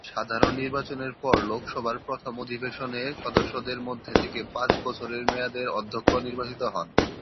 সাধারণ নির্বাচনের পর লোকসভার প্রথম অধিবেশনে সদস্যদের মধ্যে থেকে পাঁচ বছরের মেয়াদের অধ্যক্ষ নির্বাচিত হন।